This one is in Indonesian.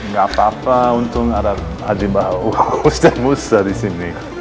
gak apa apa untung ada adibah ustaz ustaz disini